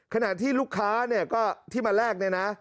ขณะที่ลูกค้าเนี่ยก็ที่มาแลกเนี่ยนะ